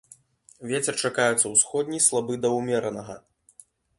Вецер чакаецца ўсходні слабы да ўмеранага.